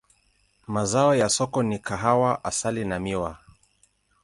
Mazao ya soko ni kahawa, asali na miwa.